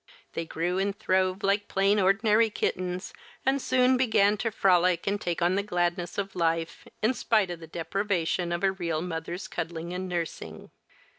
They grew and throve like plain ordinary kittens and soon began to frolic and take on the gladness of life, in spite of the deprivation of a real mother's cuddling and nursing.